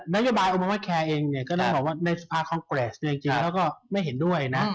นโยบายโอมาว่าแคร์เองเนี่ยก็ต้องบอกว่าในสภาคองเกรสเนี่ยจริงเขาก็ไม่เห็นด้วยนะ